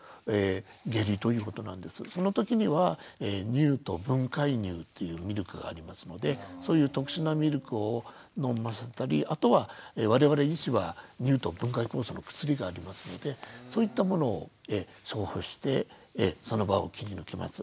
その時には乳糖分解乳というミルクがありますのでそういう特殊なミルクを飲ませたりあとは我々医師は乳糖分解酵素の薬がありますのでそういったものを処方してその場を切り抜けます。